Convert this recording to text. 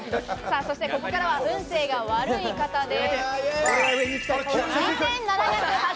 ここからは運勢が悪い方です。